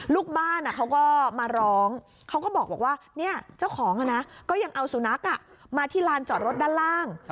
ลูกบ้านเขาก็มาร้องเขาก็บอกว่าเจ้าของก็ยังเอาสุนัขมาที่ลานจอดรถด้านล่าง